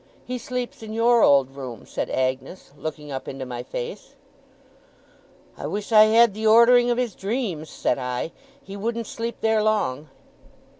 He sleeps in your old room,' said Agnes, looking up into my face. 'I wish I had the ordering of his dreams,' said I. 'He wouldn't sleep there long.